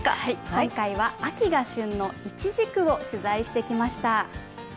今回は秋が旬のいちじくを取材してきました。